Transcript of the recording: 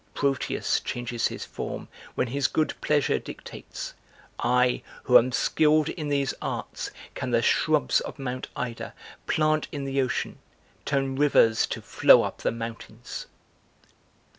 Proteus changes his form when his good pleasure dictates, I, who am skilled in these arts, can the shrubs of Mount Ida Plant in the ocean; turn rivers to flow up the mountains!"